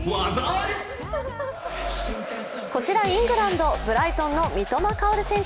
こちらイングランド、ブライトンの三笘薫選手。